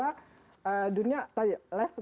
dan untuk menunjukkan juga bahwa